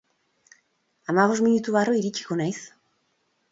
Hamabost minutu barru iritsiko naiz.